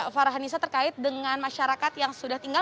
farhanisa terkait dengan masyarakat yang sudah tinggal